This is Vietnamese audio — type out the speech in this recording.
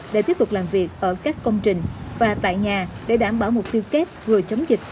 để tiếp tục làm việc ở các công trình và tại nhà để đảm bảo mục tiêu kép vừa chống dịch